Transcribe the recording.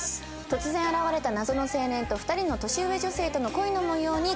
突然現れた謎の青年と２人の年上女性との恋の模様にご注目ください。